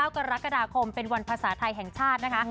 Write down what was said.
กรกฎาคมเป็นวันภาษาไทยแห่งชาตินะคะ